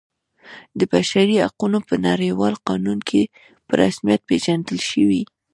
د بشري حقونو په نړیوال قانون کې په رسمیت پیژندل شوی.